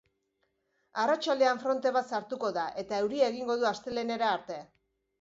Arratsaldean fronte bat sartuko da eta euria egingo du astelehenera arte.